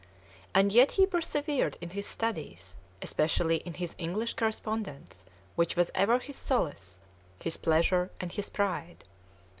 And yet he persevered in his studies, especially in his English correspondence, which was ever his solace, his pleasure, and his pride.